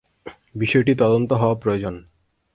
বিষয়টির তদন্ত হওয়া প্রয়োজন।